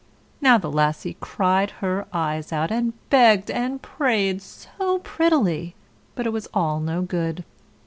Now the Lassie cried her eyes out, and begged and prayed so prettily; but it was all no good.